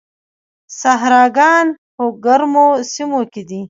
صحراګان په ګرمو سیمو کې دي.